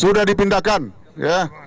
sudah dipindahkan ya